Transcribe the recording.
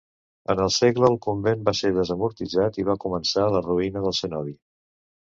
En el segle el convent va ser desamortitzat i va començar la ruïna del cenobi.